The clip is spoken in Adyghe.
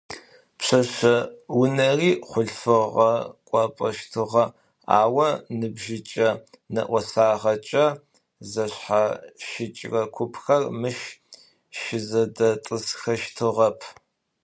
Пшъэшъэ унэри хъулъфыгъэ кӏуапӏэщтыгъэ, ау ныбжьыкӏэ, нэӏосагъэкӏэ зэшъхьащыкӏрэ купхэр мыщ щызэдэтӏысхэщтыгъэп.